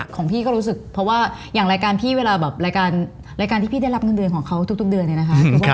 ของพี่ก็รู้สึกเพราะว่าอย่างรายการพี่เวลาแบบรายการรายการที่พี่ได้รับเงินเดือนของเขาทุกเดือนเนี่ยนะคะ